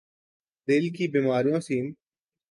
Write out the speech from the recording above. دل کی بیماریوں س